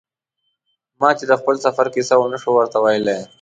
ما چې د خپل سفر کیسه و نه شو ورته ویلای.